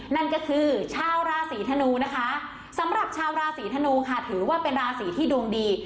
นั่นก็คือชาวราศีธนูนะคะสำหรับชาวราศีธนูค่ะถือว่าเป็นราศีที่ดวงดี